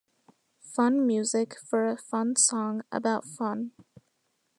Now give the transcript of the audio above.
Fun music for a fun song about fun.